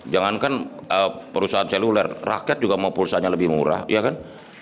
jangankan perusahaan seluler rakyat juga mau pulsanya lebih murah iya kan